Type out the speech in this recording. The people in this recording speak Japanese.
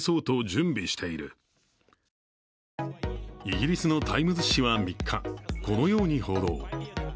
イギリスの「タイムズ」紙は３日、このように報道。